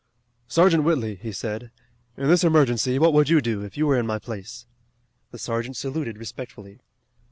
"Sergeant Whitley," he said, "in this emergency what would you do, if you were in my place?" The sergeant saluted respectfully.